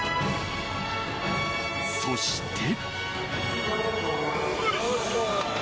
そして。